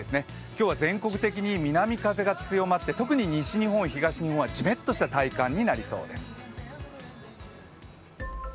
今日は全国的に南風が強まって特に西日本、東日本はじめっとした体感になりそうです。